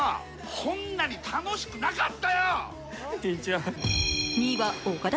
こんなに楽しくなかったよ！